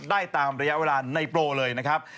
ได้ตามระยะเวลาในโปรเลยนะครับ